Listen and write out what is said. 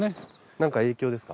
なんか影響ですか？